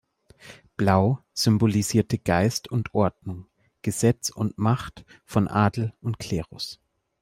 Blau symbolisierte Geist und Ordnung, Gesetz und Macht von Adel und Klerus.